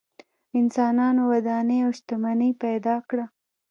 انسانانو ودانۍ او شتمنۍ پیدا کړه.